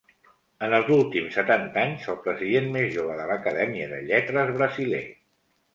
En els últims setanta anys, el president més jove de l'acadèmia de lletres brasiler.